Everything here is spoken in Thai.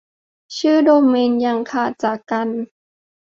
ชื่อโดเมนยังขาดจากกัน